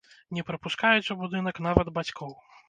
Не прапускаюць у будынак нават бацькоў.